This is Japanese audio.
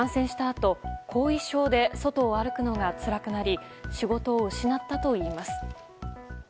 あと後遺症で外を歩くのがつらくなり仕事を失ったといいます。